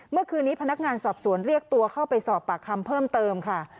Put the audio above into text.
เมื่อคืนนี้พนักงานสอบสวนเรียกตัวเข้าไปสอบปากคำเพิ่มเติมค่ะ